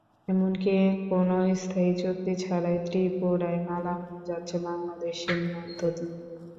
এমনকি কোনো স্থায়ী চুক্তি ছাড়াই ত্রিপুরায় মালামাল যাচ্ছে বাংলাদেশের মধ্য দিয়েই।